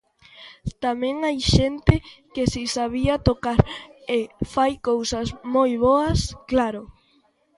Tamén hai xente que si sabía tocar e fai cousas moi boas, claro.